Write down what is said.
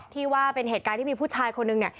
ที่ว่าเป็นเหตุการณ์ที่มีผู้ชายคนนึงเนี่ย